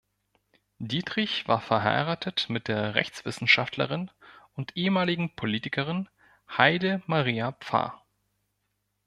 Dieterich war verheiratet mit der Rechtswissenschaftlerin und ehemaligen Politikerin Heide Maria Pfarr.